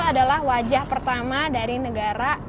adalah wajah pertama dari negara